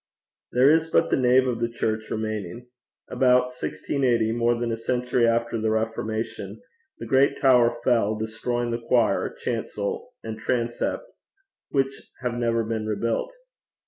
There is but the nave of the church remaining. About 1680, more than a century after the Reformation, the great tower fell, destroying the choir, chancel, and transept, which have never been rebuilt.